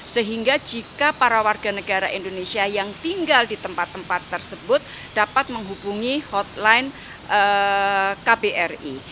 sehingga jika para warga negara indonesia yang tinggal di tempat tempat tersebut dapat menghubungi hotline kbri